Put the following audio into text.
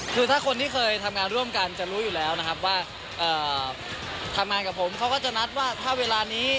คือถ้าคนที่เคยทำงานร่วมกันจะรู้อยู่แล้วนะครับว่าทำงานกับผมเขาก็จะนัดว่าถ้าเวลานี้